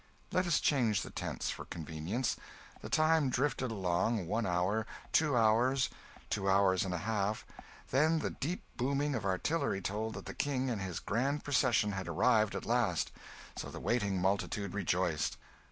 Let us change the tense for convenience. The time drifted along one hour two hours two hours and a half; then the deep booming of artillery told that the King and his grand procession had arrived at last; so the waiting multitude rejoiced.